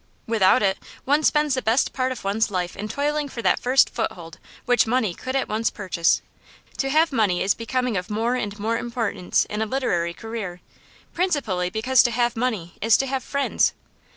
'Without it, one spends the best part of one's life in toiling for that first foothold which money could at once purchase. To have money is becoming of more and more importance in a literary career; principally because to have money is to have friends.